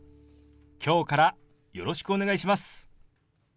今日からよろしくお願いします。